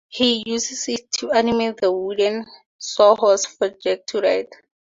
He uses it to animate the wooden Sawhorse for Jack to ride.